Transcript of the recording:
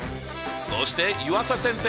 そして湯浅先生